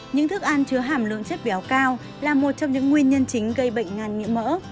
những thức ăn chứa hàm lượng chất béo cao là một trong những nguyên nhân chính gây bệnh ngàn nhiễm mỡ